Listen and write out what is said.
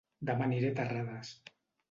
Dema aniré a Terrades